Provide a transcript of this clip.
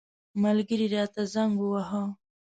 ملګري راته زنګ وواهه.